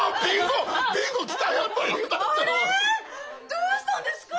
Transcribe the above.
どうしたんですか？